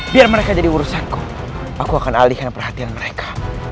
biar mereka jadi urusanku aku akan alihkan perhatian mereka